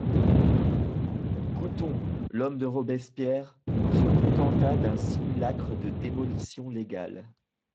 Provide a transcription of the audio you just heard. Couthon, l'homme de Robespierre, se contenta d'un simulacre de démolition légale.